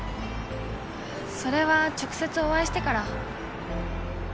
それは直接お会いしてから。